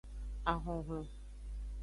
Ahonhlon.